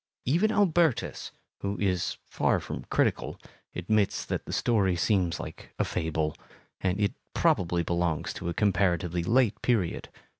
Even Albertus, who is far from critical, admits that the story seems like a fable, and it probably belongs to a comparatively late period.